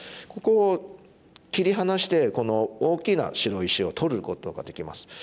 ここを切り離してこの大きな白石を取ることができます。